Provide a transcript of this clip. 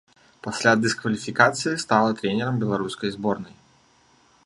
Пасля дыскваліфікацыі стала трэнерам беларускай зборнай.